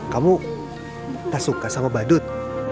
kamu tak suka sama badut